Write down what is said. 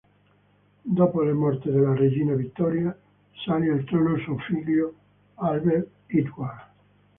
Dopo la morte della regina Vittoria, salì al trono suo figlio Albert Edward.